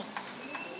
daripada aku ngasih